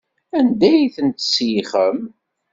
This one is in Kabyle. Anda ay ten-tselxem?